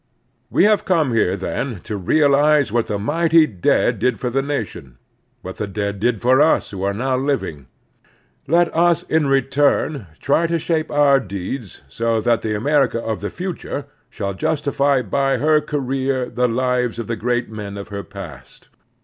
We have come here, then, to realize what the mighty dead did for the nation, what the dead did for us who are now living. Let us in retiun try to shape our deeds so that the America of the future shall justify by her career the lives of the great men of her past.